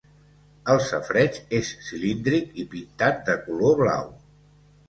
El safareig és cilíndric i pintat de color blau.